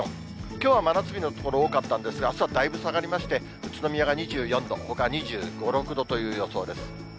きょうは真夏日の所、多かったんですが、あすはだいぶ下がりまして、宇都宮が２４度、ほか２５、６度という予想です。